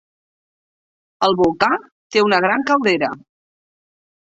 El volcà té una gran caldera.